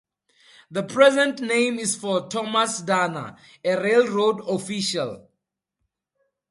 The present name is for Thomas Dana, a railroad official.